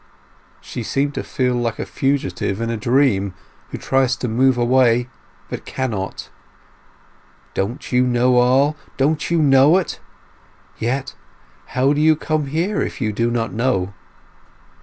She seemed to feel like a fugitive in a dream, who tries to move away, but cannot. "Don't you know all—don't you know it? Yet how do you come here if you do not know?"